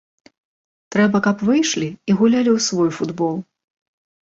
Трэба, каб выйшлі і гулялі у свой футбол.